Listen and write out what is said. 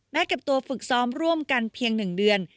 แม้แค่ตัวฝึกศรรรวมกันเพียงหนึ่งเดือน